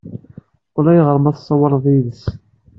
Ulayɣer ma tessawleḍ yid-s.